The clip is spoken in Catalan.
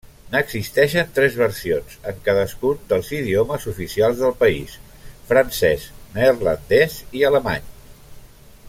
N'existeixen tres versions, en cadascun dels idiomes oficials del país, francès, neerlandès i alemany.